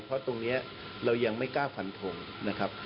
เพราะตรงนี้เรายังไม่กล้าฟันทงนะครับ